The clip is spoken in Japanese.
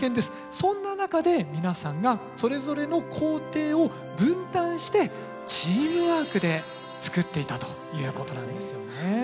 そんな中で皆さんがそれぞれの工程を分担してチームワークで造っていたということなんですよね。